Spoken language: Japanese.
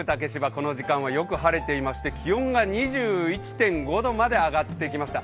この時間はよく晴れていまして、気温が２１．５度まで上がってきました。